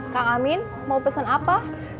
kak amin mau pesen apa